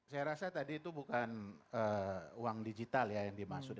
saya rasa tadi itu bukan uang digital ya yang dimaksud